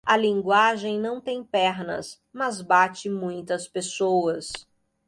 A linguagem não tem pernas, mas bate muitas pessoas.